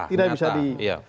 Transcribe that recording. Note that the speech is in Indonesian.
tidak bisa di